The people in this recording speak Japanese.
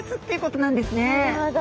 なるほど！